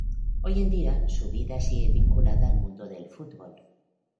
Hoy en día, su vida sigue vinculada al mundo del fútbol.